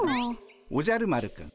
おじゃる丸くん